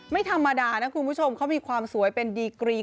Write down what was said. ไม่ธรรมดานะคุณผู้ชมเขามีความสวยเป็นดีกรี